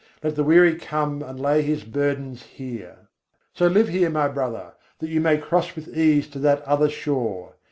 Let the weary come and lay his burdens here! So live here, my brother, that you may cross with ease to that other shore.